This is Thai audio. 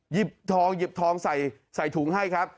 หยิบทองหยิบทองใส่ถุงให้ครับ